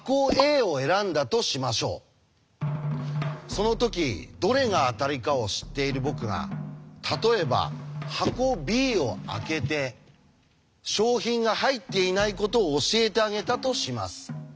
そのときどれが当たりかを知っている僕が例えば箱Ｂを開けて商品が入っていないことを教えてあげたとします。